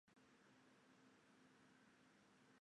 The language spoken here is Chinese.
维拉尔德隆巴是葡萄牙布拉干萨区的一个堂区。